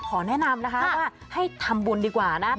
ขอแนะนำนะคะว่าให้ทำบุญดีกว่านะ